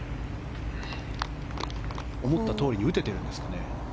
思ったとおりに打ててるんですかね。